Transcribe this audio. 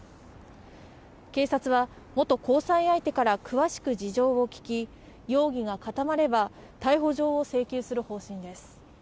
警察は、元交際相手から詳しく事情を聴き、容疑が固まれば、逮捕状を請求する方針です。